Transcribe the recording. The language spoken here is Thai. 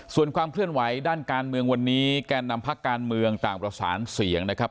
ส่วนความเคลื่อนไหวด้านการเมืองวันนี้แกนนำพักการเมืองต่างประสานเสียงนะครับ